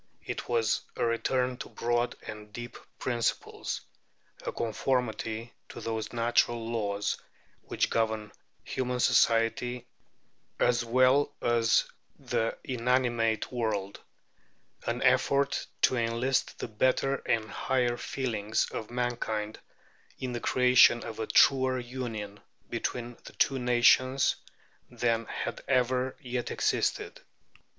It was a return to broad and deep principles, a conformity to those natural laws which govern human society as well as the inanimate world an effort to enlist the better and higher feelings of mankind in the creation of a truer union between the two nations than had ever yet existed.